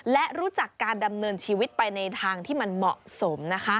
และรู้จักการดำเนินชีวิตไปในทางที่มันเหมาะสม